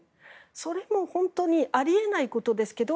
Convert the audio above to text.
それも本当にあり得ないことですけど